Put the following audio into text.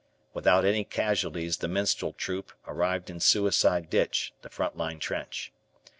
Without any casualties the minstrel troop arrived in Suicide Ditch, the front line trench.